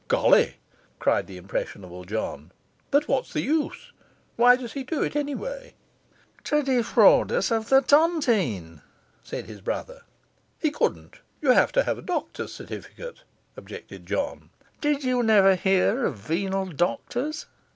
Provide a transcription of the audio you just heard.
'Golly!' cried the impressionable John. 'But what's the use? Why does he do it, anyway?' 'To defraud us of the tontine,' said his brother. 'He couldn't; you have to have a doctor's certificate,' objected John. 'Did you never hear of venal doctors?